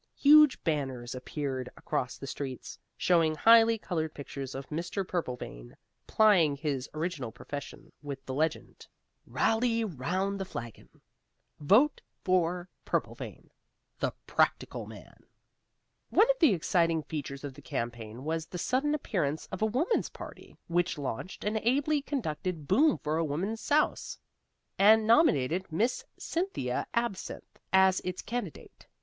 Huge banners appeared across the streets, showing highly colored pictures of Mr. Purplevein plying his original profession, with the legend: RALLY ROUND THE FLAGON VOTE FOR PURPLEVEIN THE PRACTICAL MAN One of the exciting features of the campaign was the sudden appearance of a Woman's Party, which launched an ably conducted boom for a Woman Souse and nominated Miss Cynthia Absinthe as its candidate.